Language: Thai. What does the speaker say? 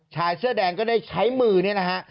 ชายเสื้อแดงก็ได้ใช้มือเนี่ยนะฮะ